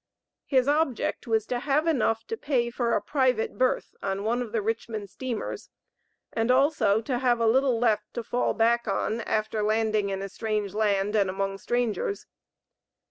His object was to have enough to pay for a private berth on one of the Richmond steamers and also to have a little left to fall back on after landing in a strange land and among strangers.